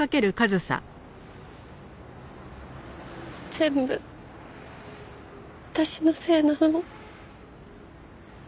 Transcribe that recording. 全部私のせいなの。